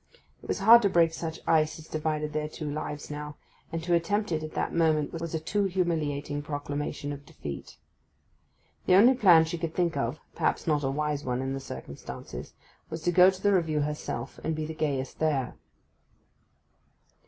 It was hard to break such ice as divided their two lives now, and to attempt it at that moment was a too humiliating proclamation of defeat. The only plan she could think of—perhaps not a wise one in the circumstances—was to go to the Review herself; and be the gayest there.